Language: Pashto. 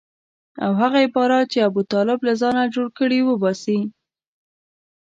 او هغه عبارات چې ابوطالب له ځانه جوړ کړي وباسي.